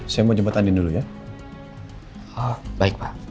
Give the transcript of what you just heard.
saya mau jemput andi dulu ya